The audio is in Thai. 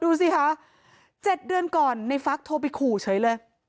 ดูสิคะ๗เดือนก่อนในฟักโทรไปขู่เฉยเลย